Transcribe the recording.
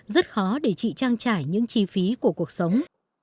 rất khó để chị trang trải những chi phí của cuộc sống